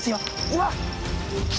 うわっ！